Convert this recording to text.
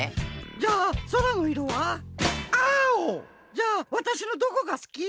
じゃあわたしのどこが好き？